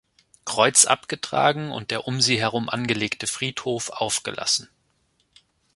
Kreuz abgetragen und der um sie herum angelegte Friedhof aufgelassen.